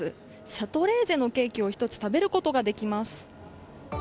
シャトレーゼのケーキを１つ食べることができます。